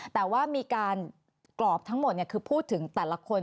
แต่ว่ามีการกรอบทั้งหมดคือพูดถึงแต่ละคน